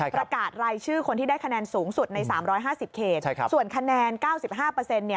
ประกาศรายชื่อคนที่ได้คะแนนสูงสุดใน๓๕๐เขตส่วนคะแนน๙๕เนี่ย